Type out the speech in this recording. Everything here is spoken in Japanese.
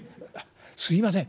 すいません。